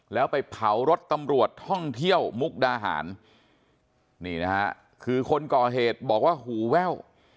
แล้วไปเผารถตำรวจท่องเที่ยวมุกดาหารนี่นะฮะคือคนก่อเหตุบอกว่าหูแว่ว